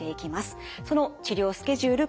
その治療スケジュール